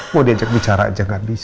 mau diajak bicara aja gak bisa mak